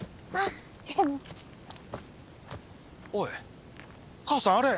おいかあさんあれ。